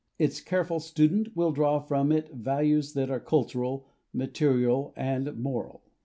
Its careful student will draw from it values that are cultural, material and moral.